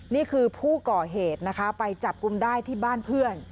นี่คือผู้ก่อเหตุนะคะไปจับกลุ่มได้ที่บ้านเพื่อน